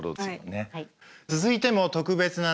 さあ続いても特別な夏。